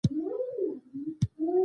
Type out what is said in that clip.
ایا زه باید شبت وخورم؟